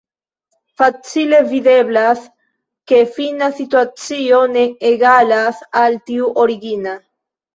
Facile videblas, ke fina situacio ne egalas al tiu origina.